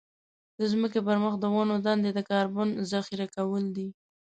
د ځمکې پر مخ د ونو دندې د کاربن ذخيره کول دي.